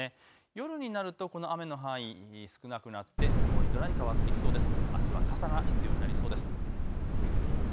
夜になると雨の範囲、少なくなって曇り空に変わってきそうです。